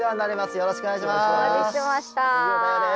よろしくお願いします。